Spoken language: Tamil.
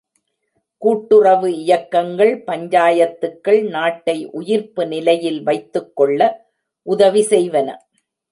கூட்டுறவு இயக்கங்கள், பஞ்சாயத்துக்கள் நாட்டை உயிர்ப்பு நிலையில் வைத்துக் கொள்ள உதவி செய்வன.